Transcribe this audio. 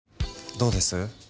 どうです？